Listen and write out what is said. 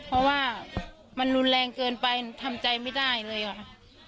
เพราะว่ามันรุนแรงเกินไปมันทำใจไม่ได้เลยค่ะ